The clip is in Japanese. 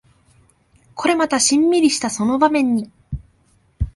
これまたシンミリしたその場面に